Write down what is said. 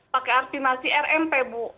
pakai artimasi rmp bu